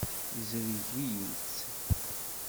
Izreg-iyi-tt.